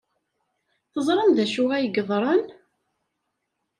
Teẓram d acu ay yeḍran?